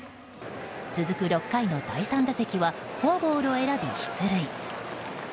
続く６回の第３打席はフォアボールを選び、出塁。